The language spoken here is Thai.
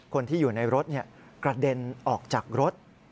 คนที่อยู่ในรถกระเด็นออกจากรถ